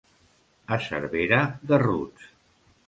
A Cervera, garruts.